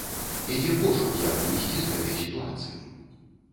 Ідзе пошук, як выйсці з гэтай сітуацыі.